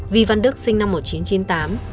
vi văn đức sinh năm một nghìn chín trăm chín mươi tám